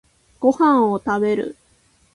ご飯を食べる。